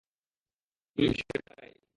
হুম, সেটাই।